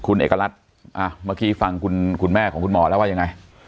คุณเอกรัฐเมื่อกี้ฟังคุณแม่ของคุณหมอแล้วว่ายังไง